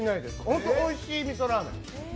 本当においしい味噌ラーメン。